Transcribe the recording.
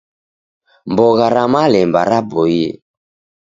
Mbogha ra malemba raboie.